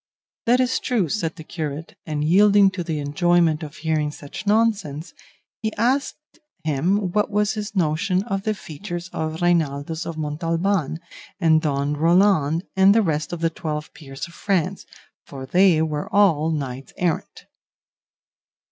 "That is true," said the curate, and yielding to the enjoyment of hearing such nonsense, he asked him what was his notion of the features of Reinaldos of Montalban, and Don Roland and the rest of the Twelve Peers of France, for they were all knights errant.